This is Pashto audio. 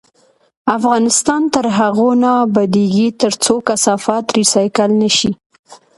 افغانستان تر هغو نه ابادیږي، ترڅو کثافات ریسایکل نشي.